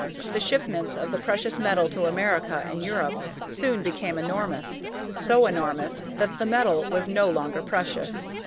The shipments of the precious metal to America and Europe soon became enormous so enormous that the metal was no longer precious.